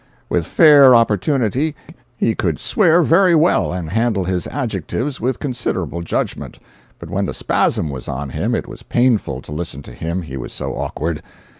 With fair opportunity he could swear very well and handle his adjectives with considerable judgment; but when the spasm was on him it was painful to listen to him, he was so awkward.